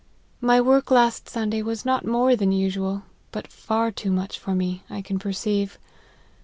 My work last Sunday was not more than usual, but far too much for me, I can perceive.